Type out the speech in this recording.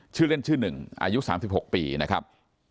ชื่อเล่นชื่อ๑อายุ๓๖ปีนะครับ